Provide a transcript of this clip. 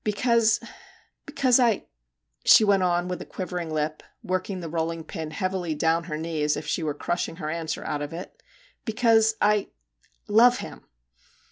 ' Because because I,' she went on with a quivering lip, working the rolling pin heavily down her knee as if she were crushing her answer out of it ' because I love him